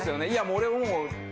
いや俺もう。